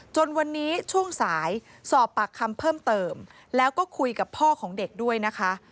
จนวันนี้ช่วงสายสอบปากคำเพิ่มเติมแล้วก็คุยกับพ่อของเด็กด้วยนะคะ